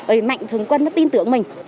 để mạnh thường quân nó tin tưởng mình